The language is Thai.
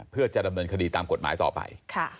เพื่อจะดำเนินคดีตามกฎหมายต่อไป